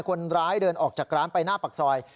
คนร้ายเดินออกจากร้านไปหน้าปากซอย